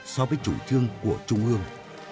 so với chủ trương của trung ương